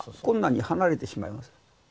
こんなに剥がれてしまいます。